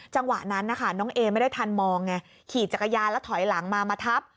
จังหวะนั้นนะคะน้องเอไม่ได้ทันมองไงขี่จักรยานแล้วถอยหลังมามาทับ